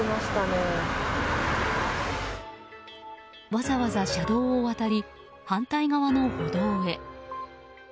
わざわざ車道を渡り反対側の歩道へ。